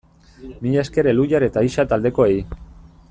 Mila esker Elhuyar eta Ixa taldekoei!